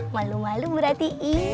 malu malu berarti ini